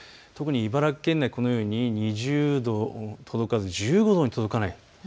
特に茨城県内このように２０度に届かず１５度にも届かない。